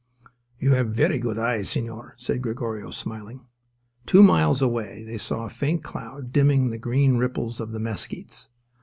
"You have verree good eyes, señor," said Gregorio, smiling. Two miles away they saw a faint cloud dimming the green ripples of the mesquites.